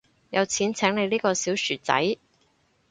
有錢請你呢個小薯仔